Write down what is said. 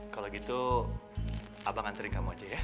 kalau gitu abang nganterin kamu aja ya